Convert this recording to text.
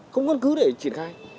không có căn cứ để triển khai